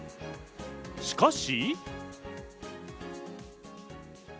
しかし。